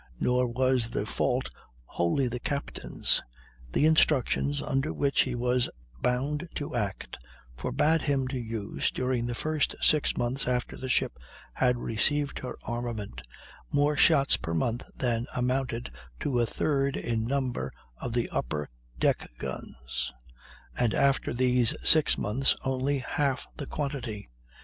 Nor was the fault wholly the captain's. The instructions under which he was bound to act forbade him to use, during the first six months after the ship had received her armament, more shots per month than amounted to a third in number of the upper deck guns; and, after these six months, only half the quantity.